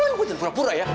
jangan pura pura ya